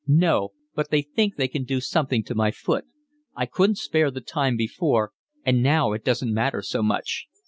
"No, but they think they can do something to my foot. I couldn't spare the time before, but now it doesn't matter so much.